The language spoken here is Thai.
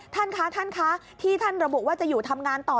ท่านคะท่านคะที่ท่านระบุว่าจะอยู่ทำงานต่อ